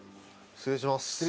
失礼いたします。